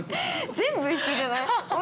◆全部一緒じゃない。